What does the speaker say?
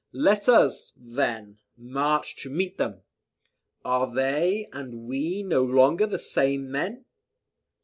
Let us, then, march to meet them. Are they and we no longer the same men?